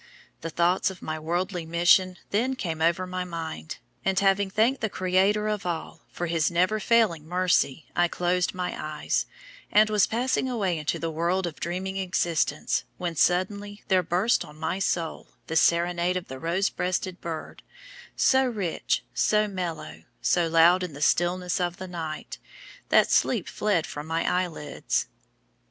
The thoughts of my worldly mission then came over my mind, and having thanked the Creator of all for his never failing mercy, I closed my eyes, and was passing away into the world of dreaming existence, when suddenly there burst on my soul the serenade of the Rosebreasted bird, so rich, so mellow, so loud in the stillness of the night, that sleep fled from my eyelids.